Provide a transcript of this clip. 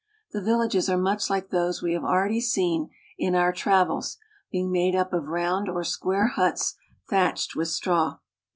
The vil lages are much like those we have already seen in our travels, being made up of round or square huts thatched with straw.